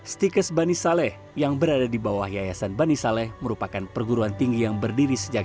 stikes bani saleh yang berada di bawah yayasan bani saleh merupakan perguruan tinggi yang berdiri sejak seribu sembilan ratus sembilan puluh